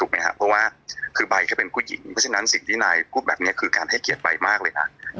เพราะว่าคือใบก็เป็นผู้หญิงเพราะฉะนั้นสิ่งที่นายพูดแบบนี้คือการให้เกียรติใบมากเลยนะ